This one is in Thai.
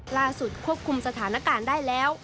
ควบคุมสถานการณ์ได้แล้ว